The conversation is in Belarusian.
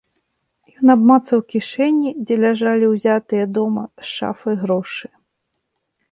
Ён абмацаў кішэні, дзе ляжалі ўзятыя дома з шафы грошы.